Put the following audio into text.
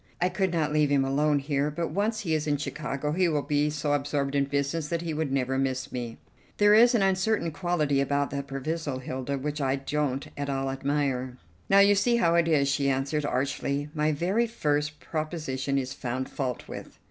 I could not leave him alone here, but once he is in Chicago he will become so absorbed in business that he would never miss me." "There is an uncertain quality about that proviso, Hilda, which I don't at all admire." "Now, you see how it is," she answered archly; "my very first proposition is found fault with."